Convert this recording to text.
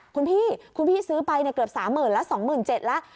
คุณพี่คุณพี่ซื้อไปเกือบสามหมื่นแล้วสองหมื่นเจ็ดแล้ว